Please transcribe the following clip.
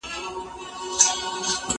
زه پرون ليک ولوست!.